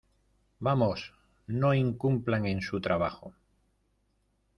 Vamos. No incumplan en su trabajo .